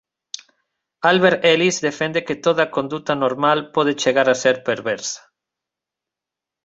Albert Ellis defende que toda conduta "normal" pode chegar a ser perversa.